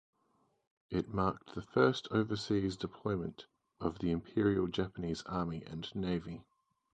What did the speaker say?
It marked the first overseas deployment of the Imperial Japanese Army and Navy.